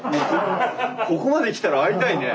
ここまで来たら会いたいねえ。